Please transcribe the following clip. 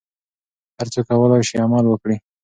هر څوک کولای شي عمل وکړي.